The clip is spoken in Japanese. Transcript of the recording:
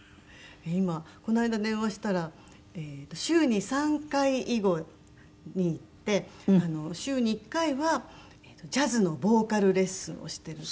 今この間電話したら週に３回囲碁に行って週に１回はジャズのボーカルレッスンをしてる。